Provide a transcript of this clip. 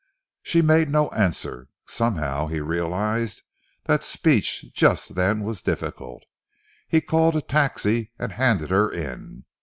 She made no answer. Somehow, he realised that speech just then was difficult. He called a taxi and handed her in.